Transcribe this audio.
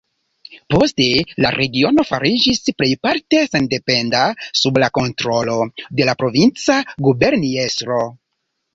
Poste la regiono fariĝis plejparte sendependa sub la kontrolo de la provinca guberniestro.